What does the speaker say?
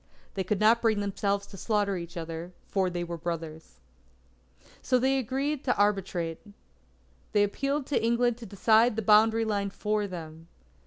They could not bring themselves to slaughter each other, for they were brothers. They agreed to arbitrate. They appealed to England to decide the boundary line for them.